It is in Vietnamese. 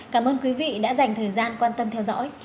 cảm ơn quý vị đã dành thời gian quan tâm theo dõi